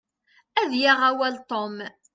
Ad yaɣ awal Tom.